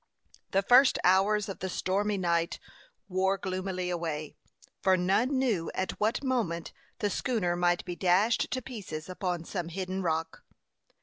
The first hours of the stormy night wore gloomily away, for none knew at what moment the schooner might be dashed to pieces upon some hidden rock.